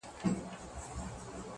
چي ستا ديدن وي پكي كور به جوړ سـي~